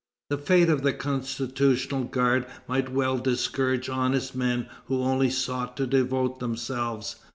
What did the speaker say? The fate of the Constitutional Guard might well discourage honest men who only sought to devote themselves.